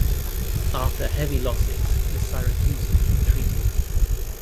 After heavy losses the Syracusans retreated.